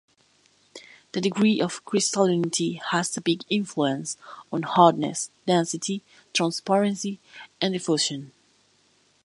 The degree of crystallinity has a big influence on hardness, density, transparency and diffusion.